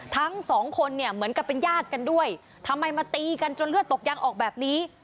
ทั้งสองคนเนี่ยเหมือนกับเป็นญาติกันด้วยทำไมมาตีกันจนเลือดตกยังออกแบบนี้